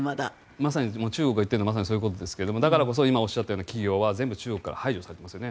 まさに中国が言っているのはそういうことですがだからこそ今、おっしゃったような企業は全部、中国から排除されていますよね。